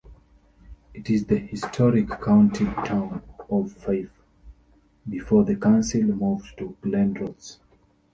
It is the historic county town of Fife, before the council moved to Glenrothes.